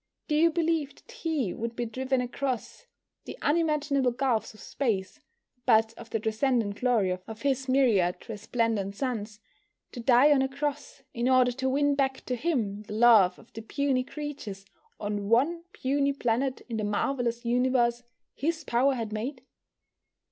Do you believe that He would be driven across the unimaginable gulfs of space, but of the transcendent glory of His myriad resplendent suns, to die on a cross, in order to win back to Him the love of the puny creatures on one puny planet in the marvellous universe His power had made?